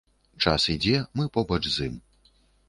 Час ідзе, мы побач з ім.